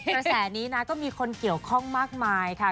กระแสนี้นะก็มีคนเกี่ยวข้องมากมายค่ะ